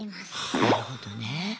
なるほどね。